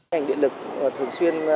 hành địa lực thường xuyên